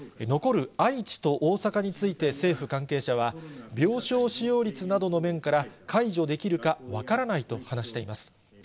残る愛知と大阪について政府関係者は、病床使用率などの面から、解除できるか分からないと話しています。